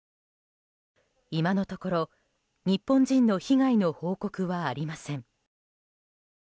今のところ日本人の被害の報告はありません。